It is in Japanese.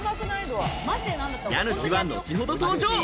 家主は後ほど登場。